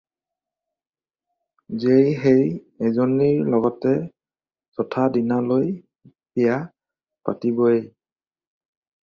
যেই সেই এজনীৰ লগতে চ'থাদিনালৈ বিয়া পাতিবই।